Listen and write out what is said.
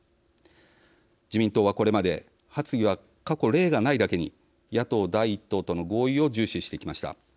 自民党はこれまで発議は過去、例がないだけに野党第１党との合意を重視してきました。